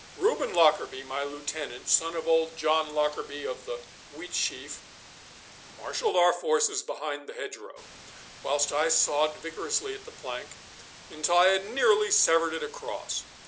Reuben Lockarby, my lieutenant, son of old John Lockarby of the Wheatsheaf, marshalled our forces behind the hedgerow, whilst I sawed vigorously at the plank until I had nearly severed it across.